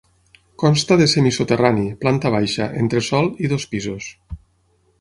Consta de semisoterrani, planta baixa, entresòl i dos pisos.